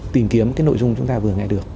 tìm kiếm cái nội dung chúng ta vừa nghe được